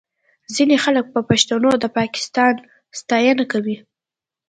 ځینې خلک په پښتو د پاکستان ستاینه کوي